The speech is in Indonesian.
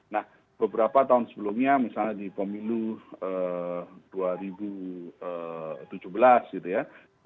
nah beberapa tahun sebelumnya misalnya di pemilu dua ribu tujuh belas gitu ya